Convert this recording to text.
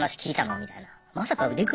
みたいな。